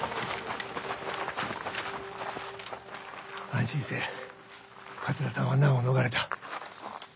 安心せぇ桂さんは難を逃れた。